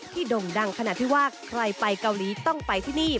โด่งดังขนาดที่ว่าใครไปเกาหลีต้องไปที่นี่